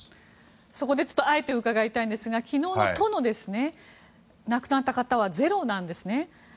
そこであえて伺いたいんですが昨日の都の亡くなった方はゼロなんですね。